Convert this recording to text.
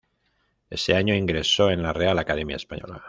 Ese año ingresó en la Real Academia Española.